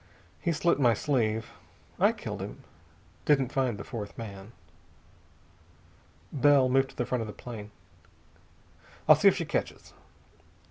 He slit my sleeve. I killed him. Didn't find the fourth man." Bell moved to the front of the plane. "I'll see if she catches."